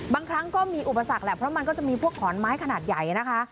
บางครั้งก็มีอุปสรรคแหละเพราะมันก็จะมีพวกขอนไม้ขนาดใหญ่นะคะ